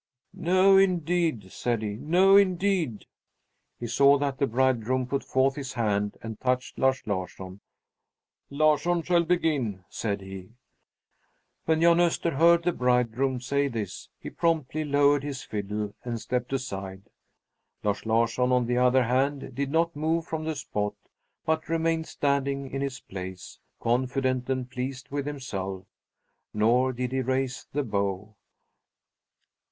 "No, indeed!" said he. "No, indeed!" He saw that the bridegroom put forth his hand and touched Lars Larsson. "Larsson shall begin," said he. When Jan Öster heard the bridegroom say this, he promptly lowered his fiddle and stepped aside. Lars Larsson, on the other hand, did not move from the spot, but remained standing in his place, confident and pleased with himself. Nor did he raise the bow.